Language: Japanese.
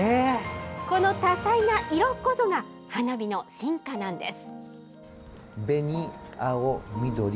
この多彩な色こそが花火の進化なんです。